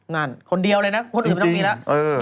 นั่นคนเดียวเลยนะคนอื่นมันต้องมีแล้วพี่ม้านจริงเออ